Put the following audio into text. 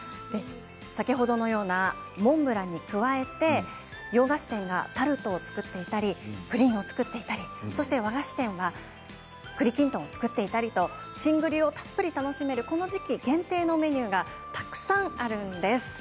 先ほどのようなモンブランに加えて洋菓子店がタルトを作っていたりプリンを作っていたりそして和菓子店では栗きんとんを作っていたりと新栗をたっぷり楽しめるこの時期限定のメニューがたくさんあるんです。